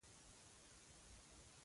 ته خو پوهېږې زه د افغانستان یم.